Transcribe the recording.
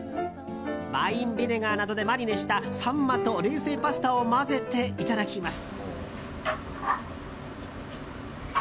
ワインビネガーなどでマリネしたサンマと冷製パスタを混ぜていただきます。